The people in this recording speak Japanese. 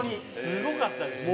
すごかったです。